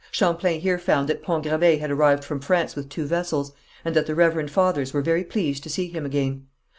Champlain here found that Pont Gravé had arrived from France with two vessels, and that the reverend fathers were very pleased to see him again.